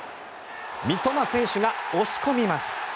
三笘選手が押し込みます。